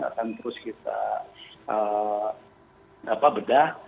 akan terus kita bedah